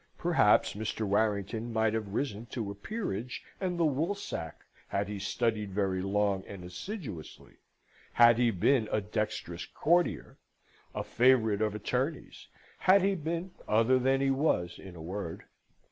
Perhaps Mr. Warrington might have risen to a peerage and the woolsack, had he studied very long and assiduously, had he been a dexterous courtier, and a favourite of attorneys: had he been other than he was, in a word.